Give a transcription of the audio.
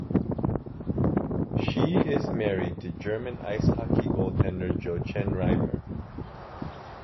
She is married to German ice hockey goaltender Jochen Reimer.